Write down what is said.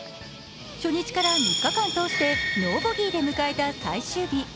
初日から３日間通してノーボギーで迎えた最終日。